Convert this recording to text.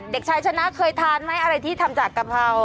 เด็กชายชนะเคยทานไหมอะไรที่ทำจากกะเพรา